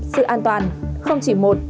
sự an toàn không chỉ một